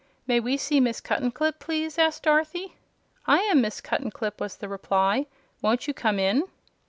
"May we see Miss Cuttenclip, please?" asked Dorothy. "I am Miss Cuttenclip," was the reply. "Won't you come in?"